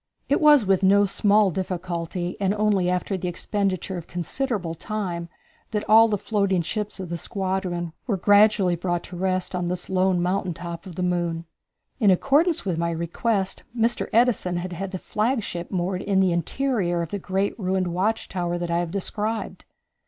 It was with no small difficulty, and only after the expenditure of considerable time, that all the floating ships of the squadron were gradually brought to rest on this lone mountain top of the moon. In accordance with my request, Mr. Edison had the flagship moored in the interior of the great ruined watch tower that I have described.